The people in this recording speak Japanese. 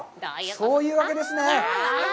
そういうわけですね。